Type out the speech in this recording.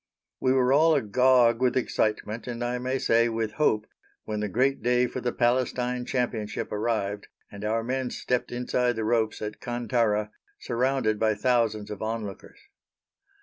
We were all agog with excitement, and I may say with hope, when the great day for the Palestine Championship arrived and our men stepped inside the ropes at Kantara, surrounded by thousands of onlookers.